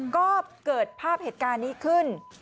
ก็เกิดภาพเหตุการณ์นี้ขึ้น